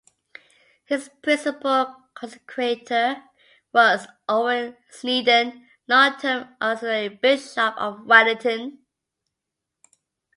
His principal consecrator was Owen Snedden, long-term Auxiliary Bishop of Wellington.